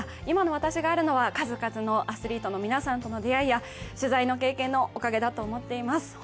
今の私があるのは数々のアスリートの皆さんとの出会いや取材の経験のおかげだと思っています。